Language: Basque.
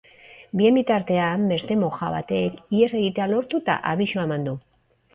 Bien bitartean, beste moja batek ihes egitea lortu eta abisua eman du.